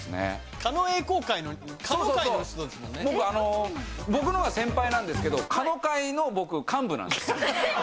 狩野英孝会の、僕、僕の方が先輩なんですけれども、狩野会の僕、幹部なんですよ。